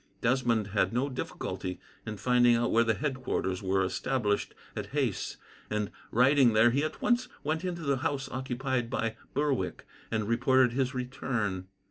Desmond had no difficulty in finding out where the headquarters were established at Hayse, and, riding there, he at once went into the house occupied by Berwick, and reported his return.